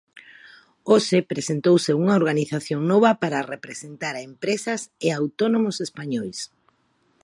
Hoxe presentouse unha organización nova para representar a empresas e autónomos españois.